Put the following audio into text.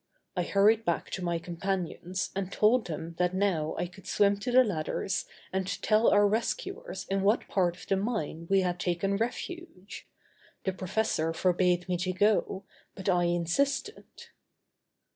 I hurried back to my companions and told them that now I could swim to the ladders and tell our rescuers in what part of the mine we had taken refuge. The professor forbade me to go, but I insisted.